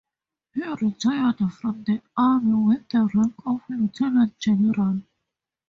He retired from the army with the rank of lieutenant general.